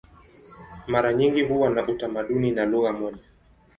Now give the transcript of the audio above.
Mara nyingi huwa na utamaduni na lugha moja.